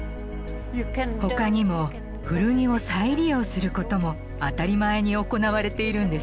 他にも古着を再利用することも当たり前に行われているんですよ。